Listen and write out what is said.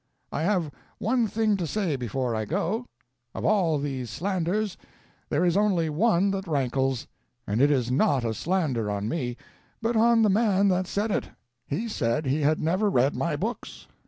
"I have one thing to say before I go. Of all these slanders there is only one that rankles, and it is not a slander on me, but on the man that said it. He said he had never read my books.